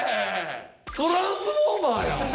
トランスフォーマーやん。